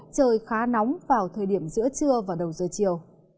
trời khá nóng vào thời điểm giữa trưa và đầu giờ chiều